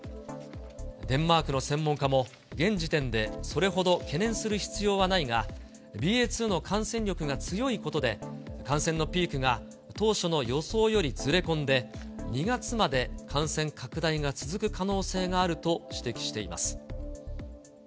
デンマークの専門家も、現時点でそれほど懸念する必要はないが、ＢＡ．２の感染力が強いことで、感染のピークが当初の予想よりずれ込んで、２月まで感染拡大が続く可能性があると指摘しています。